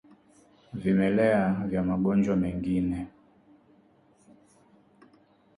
Vimelea vya magonjwa mengine